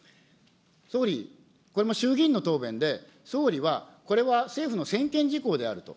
総理、これも衆議院の答弁で、総理はこれは政府の専権事項であると。